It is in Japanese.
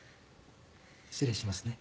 失礼しますね。